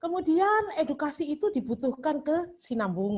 kemudian edukasi itu dibutuhkan ke sinambung